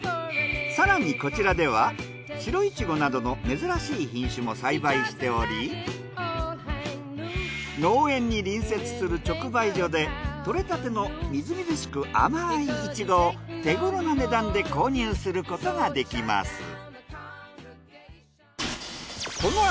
更にこちらでは白イチゴなどの珍しい品種も栽培しており農園に隣接する直売所で採れたてのみずみずしく甘いイチゴを手ごろな値段で購入することができます。